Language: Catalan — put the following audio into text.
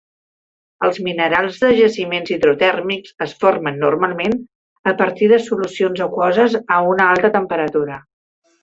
Els minerals de jaciments hidrotèrmics es formen, normalment, a partir de solucions aquoses a una alta temperatura.